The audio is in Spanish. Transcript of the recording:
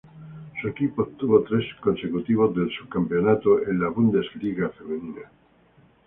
Su equipo obtuvo tres años consecutivos el sub-campeonato de la Bundesliga femenina.